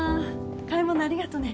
買い物ありがとね